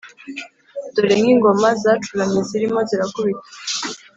dore nkingoma zacuramye, zirimo zirakubita